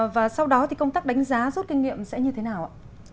và sau đó thì công tác đánh giá rút kinh nghiệm sẽ như thế nào ạ